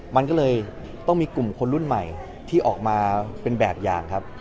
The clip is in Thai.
มันก็เลยต้องมีกลุ่มคนรุ่นใหม่ที่ออกมาเป็นแบบอย่างครับ